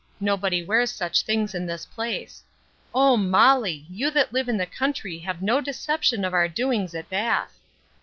No body wears such things in this place O Molly! you that live in the country have no deception of our doings at Bath.